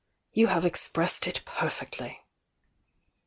You have expressed it perfectly!"